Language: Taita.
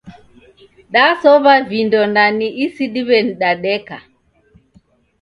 Dasow'a vindo na ni isidiweni dadeka